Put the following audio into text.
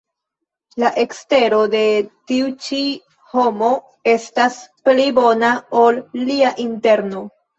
La ekstero de tiu ĉi homo estas pli bona, ol lia interno.